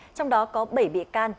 trong đó có bảy bị can